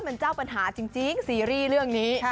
มันเจ้าปัญหาจริงซีรีส์เรื่องนี้